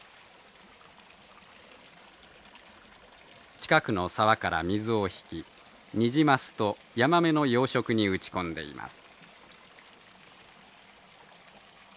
近くの沢から水を引きニジマスとヤマメの養殖に打ち込んでいます。